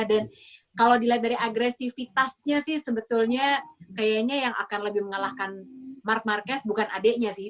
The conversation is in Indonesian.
dan kalau dilihat dari agresifitasnya sih sebetulnya kayaknya yang akan lebih mengalahkan mark marquez bukan adiknya sih